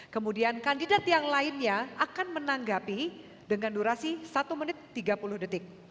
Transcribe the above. kemudian kandidat yang lainnya akan menanggapi dengan durasi satu menit tiga puluh detik